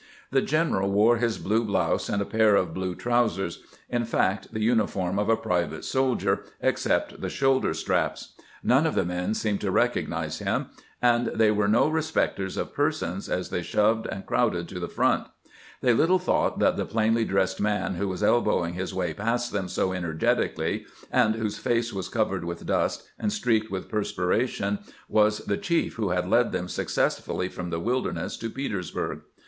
The general wore his blue blouse and a pair of blue trousers — in fact, the uniform of a private soldier, except the shoulder straps. None of the men seemed to recognize him, and they were no respecters of persons as they shoved and crowded to the front. They little thought that the plainly dressed man who was elbowing his way past them so energetically, and whose face was covered with dust and streaked with perspiration, was the chief who had led them success fully from the Wilderness to Petersburg.